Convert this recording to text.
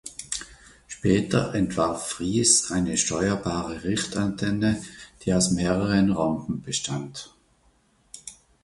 Später entwarf Friis eine steuerbare Richtantenne, die aus mehreren Rhomben bestand.